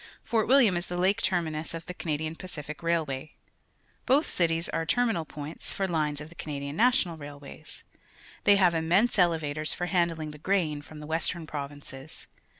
Fort William is the lake terminus of the Canadian Pacific Railway. Both cities ai'e terminal points for lines of the Canadian National Railways. They have immense elevators for handling the grain from the Western Provinces.